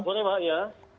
selamat sore pak ya